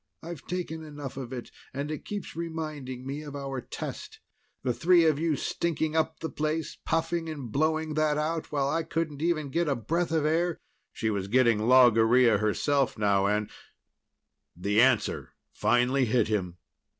I've taken enough of it. And it keeps reminding me of our test the three of you stinking up the place, puffing and blowing that out, while I couldn't even get a breath of air...." She was getting logorrhea herself now and The answer finally hit him!